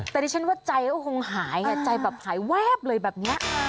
แต่ดิฉันว่าใจก็คงหายไงใจแบบหายแวบเลยแบบนี้